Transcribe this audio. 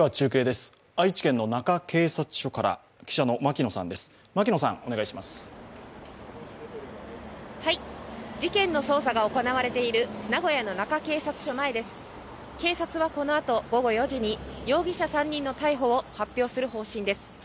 警察はこのあと、午後４時に容疑者３人の逮捕を発表する方針です。